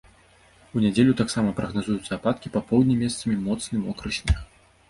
У нядзелю таксама прагназуюцца ападкі, па поўдні месцамі моцны мокры снег.